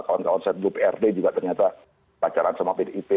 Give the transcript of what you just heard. kawan kawan saya di uprd juga ternyata pacaran sama pdip